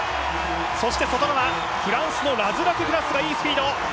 そして外側、フランスのラズラククラスがいいスピード。